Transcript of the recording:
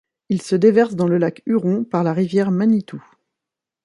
Il se déverse dans le lac Huron par la rivière Manitou.